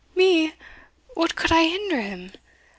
"Me! what could I hinder him?